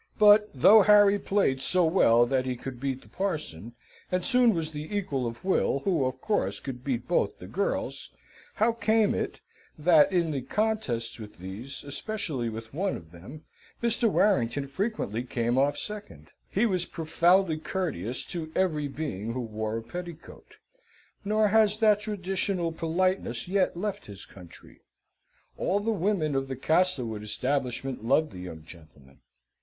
But though Harry played so well that he could beat the parson, and soon was the equal of Will, who of course could beat both the girls, how came it, that in the contests with these, especially with one of them, Mr. Warrington frequently came off second? He was profoundly courteous to every being who wore a petticoat; nor has that traditional politeness yet left his country. All the women of the Castlewood establishment loved the young gentleman.